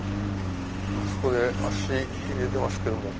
あそこで足入れてますけども。